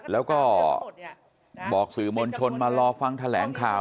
แล้วก็บอกสื่อมวลชนมารอฟังแถลงข่าว